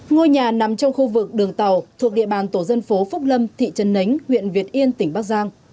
ngôi nhà nằm trong khu vực đường tàu thuộc địa bàn tổ dân phố phúc lâm thị trấn nánh huyện việt yên tỉnh bắc giang